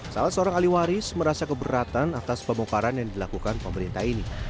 salah seorang ahli waris merasa keberatan atas pemongkaran yang dilakukan pemerintah ini